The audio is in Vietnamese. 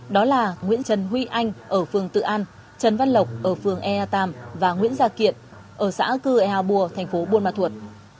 đó là nguyễn trần huy anh ở phường tự an trần văn lộc ở phường ea tam và nguyễn gia kiện ở xã cư ea bùa thành phố buôn ma thuột